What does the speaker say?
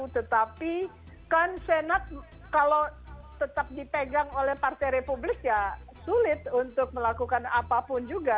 tetapi kan senat kalau tetap dipegang oleh partai republik ya sulit untuk melakukan apapun juga